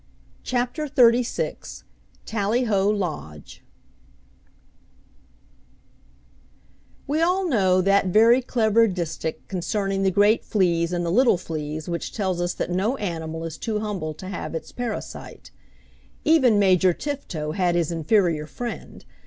CHAPTER XXXVI Tally Ho Lodge We all know that very clever distich concerning the great fleas and the little fleas which tells us that no animal is too humble to have its parasite. Even Major Tifto had his inferior friend.